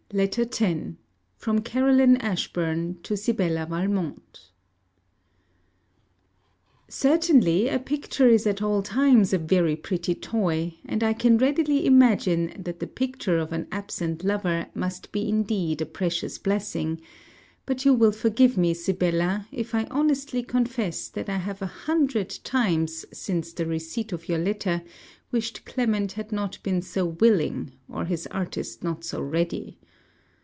LETTER X FROM CAROLINE ASHBURN TO SIBELLA VALMONT Certainly, a picture is at all times a very pretty toy; and I can readily imagine, that the picture of an absent lover must be indeed a precious blessing; but you will forgive me, Sibella, if I honestly confess that I have a hundred times, since the receipt of your letter, wished Clement had not been so willing, or his artist not so ready.